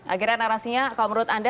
akhirnya narasinya kalau menurut anda